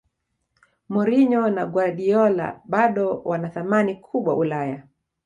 mourinho na guardiola bado wana thamani kubwa ulaya